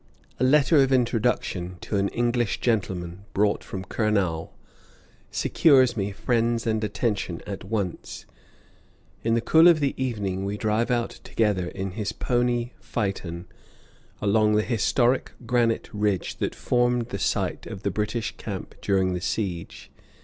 A letter of introduction to an English gentleman, brought from Kurnaul, secures me friends and attention at once; in the cool of the evening we drive out together in his pony phaeton along the historic granite ridge that formed the site of the British camp during the siege.